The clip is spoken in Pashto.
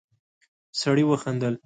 سړی وخندل.